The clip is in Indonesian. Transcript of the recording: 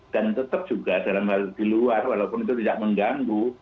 dan tetap juga dalam hal di luar walaupun itu tidak mengganggu